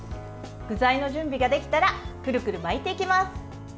具材の準備ができたらくるくる巻いていきます。